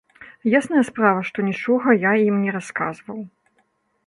Ясная справа, што нічога я ім не расказваў.